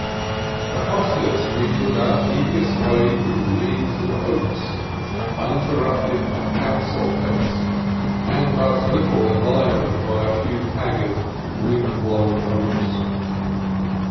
Across this we took our tedious way through leagues of oats uninterrupted by house or fence, and but little enlivened by a few haggard, wind blown oaks.